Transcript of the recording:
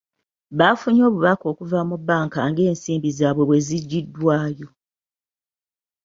Baafunye obubaka okuva mu bbanka ng'ensimbi zaabwe bwe zaggyiddwayo